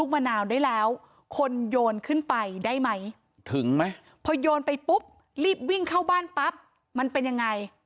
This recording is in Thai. มั้ยพอโยนไปปุ๊บรีบวิ่งเข้าบ้านปั๊บมันเป็นยังไง